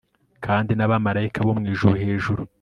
Kandi nabamarayika bo mwijuru hejuru